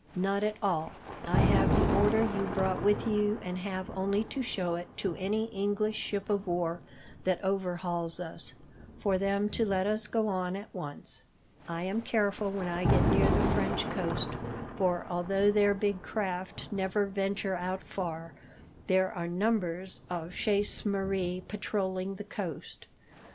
"Not at all. I have the order you brought with you, and have only to show it to any English ship of war that overhauls us, for them to let us go on at once. I am careful when I get near the French coast, for although their big craft never venture out far, there are numbers of chasse maree patrolling the coast.